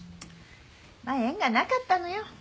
まあ縁がなかったのよ。